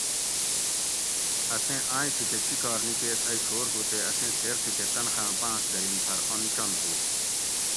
اسیں آئیں تھی کہ چِکار نِکیس ائی چھور ہُو تے اسیں تھیر تھی کہ تنخاۤں پاۤنس دۤرین پۤھر انچن ہُو